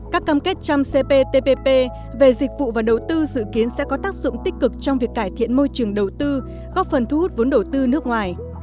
các cam kết chăm cptpp về dịch vụ và đầu tư dự kiến sẽ có tác dụng tích cực trong việc cải thiện môi trường đầu tư góp phần thu hút vốn đầu tư nước ngoài